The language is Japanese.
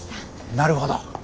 なるほど。